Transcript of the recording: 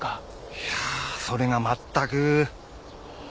いやーそれがまったく。